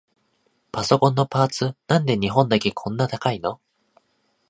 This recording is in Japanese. パソコンのパーツ、なんで日本だけこんな高いの？